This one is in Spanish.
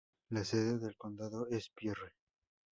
La sede del condado es Pierre.